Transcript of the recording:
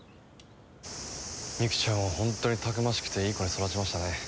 未玖ちゃんは本当にたくましくていい子に育ちましたね。